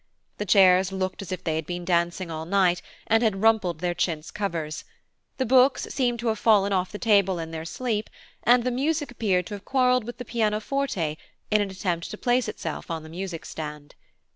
The chairs looked as if they had been dancing all night, and had rumpled their chintz covers, the books seemed to have fallen off the table in their sleep, and the music appeared to have quarrelled with the pianoforte in an attempt to place itself on the music stand.